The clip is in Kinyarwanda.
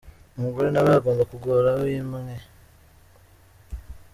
Umugore nawe agomba kugora wimwe.